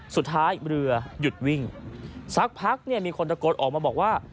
สุดท้ายเรือหยุดวิ่งสักพักเนี่ยมีคนตะโกนออกมาบอกว่า